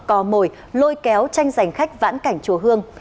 cò mồi lôi kéo tranh giành khách vãn cảnh chùa hương